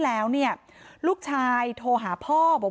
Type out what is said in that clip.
นางศรีพรายดาเสียยุ๕๑ปี